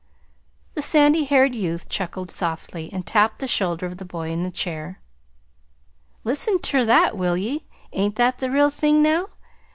The sandy haired youth chuckled softly, and tapped the shoulder of the boy in the chair. "Listen ter that, will ye? Ain't that the real thing, now?